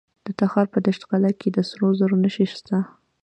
د تخار په دشت قلعه کې د سرو زرو نښې شته.